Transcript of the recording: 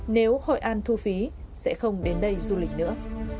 nếu hội an thu phí sẽ không đến đây du lịch nữa